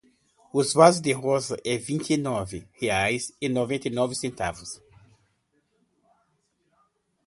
O vaso de rosas é vinte e nove reais e noventa e nove centavos.